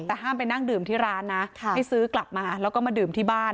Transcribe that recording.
แต่ห้ามไปนั่งดื่มที่ร้านนะให้ซื้อกลับมาแล้วก็มาดื่มที่บ้าน